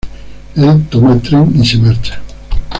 Él toma el tren y se marcha.